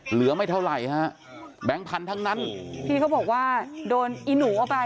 เหลือไม่เท่าไหร่ฮะแบงค์พันธุ์ทั้งนั้นที่เขาบอกว่าโดนอีหนูเอาไป